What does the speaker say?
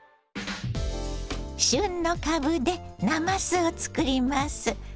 旬のかぶでなますを作ります。